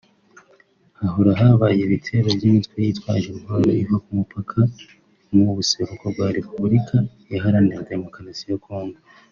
hahora habaye ibitero by’imitwe yitwaje intwaro iva ku mupaka mu buseruko bwa Repubulika iharanira Demokarasi ya Congo